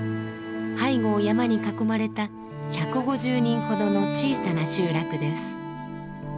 背後を山に囲まれた１５０人ほどの小さな集落です。